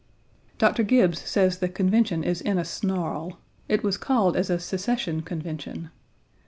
Doctor Gibbes says the Convention is in a snarl. It was called as a Secession Convention.